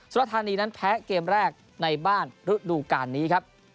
รธานีนั้นแพ้เกมแรกในบ้านฤดูการนี้ครับ